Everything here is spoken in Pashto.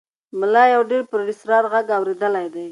ملا یو ډېر پراسرار غږ اورېدلی دی.